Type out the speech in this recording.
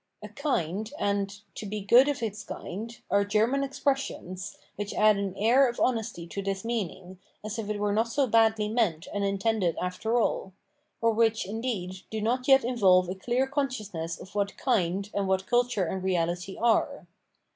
"A kind" and "to be good of its kind " are German expressions, which add an air of honesty to this meaning, as if it were not so badly meant and intended after aU ; or which, indeed, do not yet involve a clear consciousness of what " kind " and what culture and reahty are.